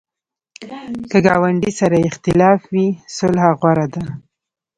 که ګاونډي سره اختلاف وي، صلح غوره ده